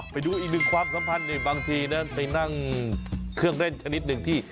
ไปดูอีกหนึ่งความสัมพันธ์บางทีนะไปนั่งเครื่องเล่นชนิดหนึ่งที่